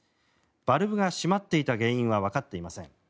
バルブが閉まっていた原因はわかっていません。